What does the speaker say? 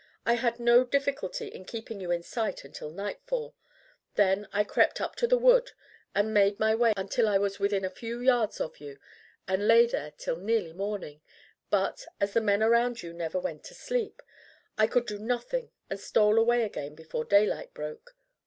I had no difficulty in keeping you in sight until nightfall. Then I crept up to the wood and made my way until I was within a few yards of you and lay there till nearly morning; but, as the men around you never went to sleep, I could do nothing and stole away again before daylight broke.